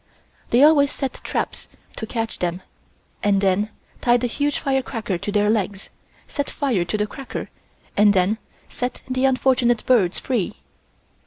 They always set traps to catch them and then tied a huge fire cracker to their legs, set fire to the cracker and then set the unfortunate birds free.